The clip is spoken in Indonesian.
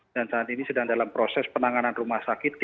saat ini sedang dalam proses penanganan rumah sakit